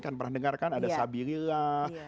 kan pernah dengar kan ada sabi lillah